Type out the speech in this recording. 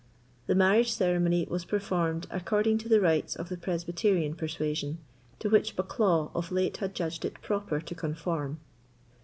The marriage ceremony was performed according to the rites of the Presbyterian persuasion, to which Bucklaw of late had judged it proper to conform.